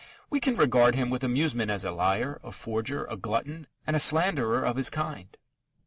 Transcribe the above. We can regard him with amusement as a liar, a forger, a glutton, and a slanderer of his kind.